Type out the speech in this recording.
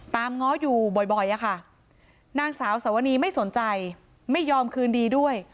ง้ออยู่บ่อยอะค่ะนางสาวสวนีไม่สนใจไม่ยอมคืนดีด้วย